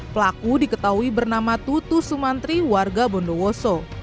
pelaku diketahui bernama tutu sumantri warga bondowoso